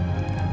ya pak adrian